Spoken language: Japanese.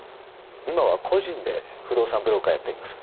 今は個人で不動産ブローカーやっています。